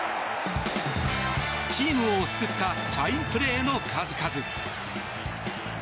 チームを救ったファインプレーの数々。